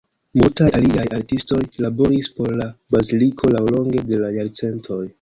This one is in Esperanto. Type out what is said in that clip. Multaj aliaj artistoj laboris por la baziliko laŭlonge de la jarcentoj.